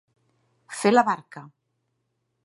Fer la barca.